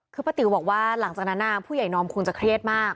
คือป้าติ๋วบอกว่าหลังจากนั้นผู้ใหญ่นอมคงจะเครียดมาก